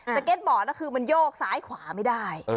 เก็ตบอร์ดแล้วคือมันโยกซ้ายขวาไม่ได้